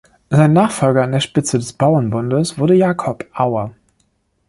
Sein Nachfolger an der Spitze des Bauernbundes wurde Jakob Auer.